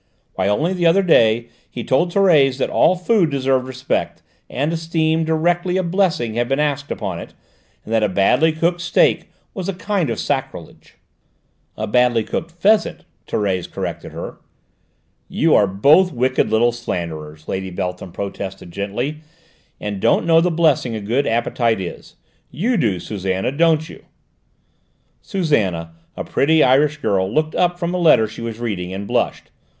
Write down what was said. "Why, only the other day he told Thérèse that all food deserved respect and esteem directly a blessing had been asked upon it, and that a badly cooked steak was a kind of sacrilege." "A badly cooked pheasant," Thérèse corrected her. "You are both wicked little slanderers," Lady Beltham protested gently, "and don't know the blessing a good appetite is. You do, Susannah, don't you?" Susannah, a pretty Irish girl, looked up from a letter she was reading, and blushed.